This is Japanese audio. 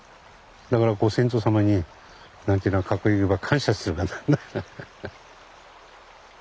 だからご先祖様に何て言うんだかっこよく言えば感謝するだな。